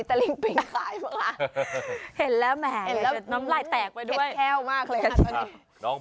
ถูกต้อง